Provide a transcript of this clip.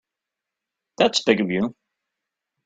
That's big of you.